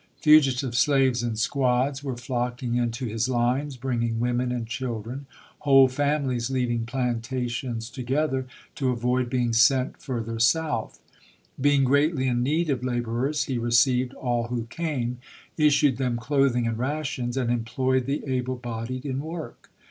Fugitive slaves in li., p. 53. ' squads were flocking into his lines bringing women and children — whole families leaving plantations together to avoid being sent further South. Being gi eatly in need of laborers he received all who came, issued them clothing and rations, and employed the able bodied in work.